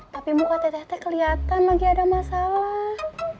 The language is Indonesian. tapi muka teh teh keliatan lagi ada masalah